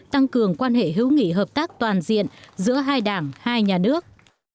tăng cường quan hệ hữu nghị hợp tác toàn diện giữa hai đảng hai nhà nước